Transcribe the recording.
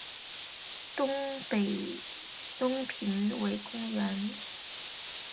东平尾公园博多之森球技场在福冈县福冈市博多区的东平尾公园内的球场。